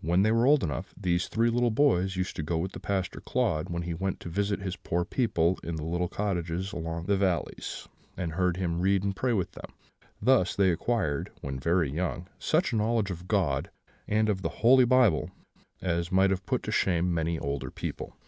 When they were old enough, these three little boys used to go with the Pastor Claude when he went to visit his poor people in their little cottages among the valleys; and heard him read and pray with them. Thus they acquired, when very young, such a knowledge of God, and of the Holy Bible, as might have put to shame many older people.